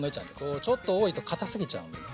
ちょっと多いとかたすぎちゃうんだよね。